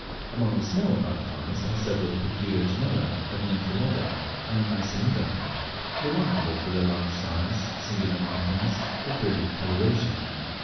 Among the smaller butterflies are several peculiar genera of Nymphalidae and Lycaenidae, remarkable for their large size, singular markings, or brilliant coloration.